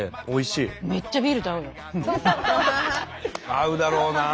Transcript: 合うだろうなあ。